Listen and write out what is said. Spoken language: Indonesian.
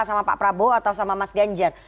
sama pak prabowo atau sama mas ganjar